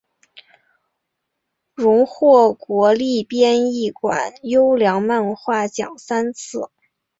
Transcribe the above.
荣获国立编译馆优良漫画奖三次。